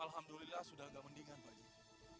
alhamdulillah sudah agak mendingan pak